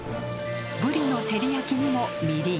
ぶりの照り焼きにもみりん。